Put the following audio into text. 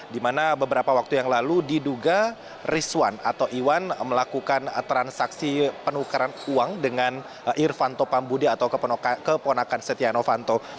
dimana beberapa waktu yang lalu diduga rizwan atau iwan melakukan transaksi penukaran uang dengan irfanto pambudia atau keponakan setiano fanto